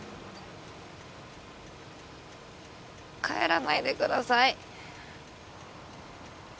帰らないでください。